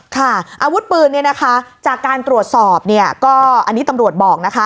ค่ะอาวุธปืนเนี่ยนะคะจากการตรวจสอบเนี่ยก็อันนี้ตำรวจบอกนะคะ